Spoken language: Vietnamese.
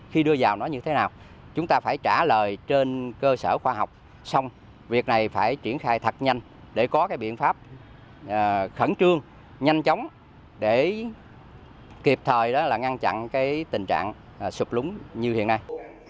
khi đưa vào nó như thế nào chúng ta phải trả lời trên cơ sở khoa học xong việc này phải triển khai thật nhanh để có cái biện pháp khẩn trương nhanh chóng để kịp thời đó là ngăn chặn cái tình trạng sụp lúng như hiện nay